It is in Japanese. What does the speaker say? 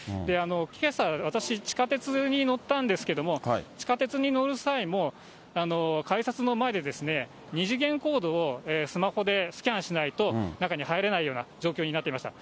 けさ、私、地下鉄に乗ったんですけれども、地下鉄に乗る際も、改札の前で二次元コードをスマホでスキャンしないと、中に入れないような状況になっていました。